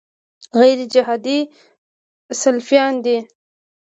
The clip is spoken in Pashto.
غیرجهادي سلفیان دي.